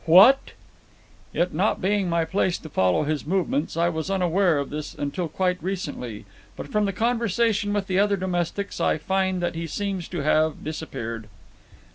"What?" "It not being my place to follow his movements, I was unaware of this until quite recently, but from conversation with the other domestics, I find that he seems to have disappeared!"